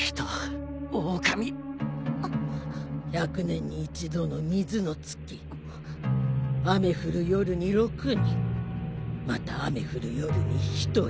１００年に１度の水の月雨降る夜に６人また雨降る夜に１人。